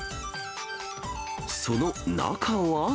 その中は。